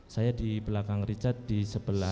saya di belakang richard di sebelah